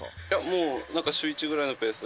もうなんか週１ぐらいのペース。